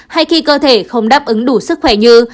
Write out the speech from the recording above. hay khi cơ thể không đáp ứng đủ sức khỏe như